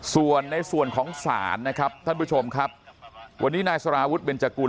ส่วนในส่วนของศาลนะครับท่านผู้ชมครับวันนี้นายสารวุฒิเบนจกุล